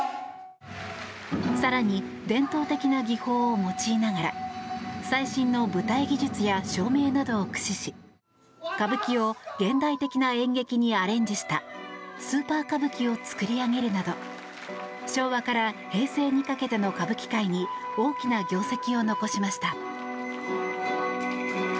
更に伝統的な技法を用いながら最新の舞台技術や照明などを駆使し歌舞伎を現代的な演劇にアレンジした「スーパー歌舞伎」を作り上げるなど昭和から平成にかけての歌舞伎界に大きな業績を残しました。